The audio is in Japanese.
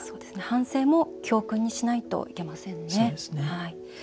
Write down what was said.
反省も教訓にしないといけませんね。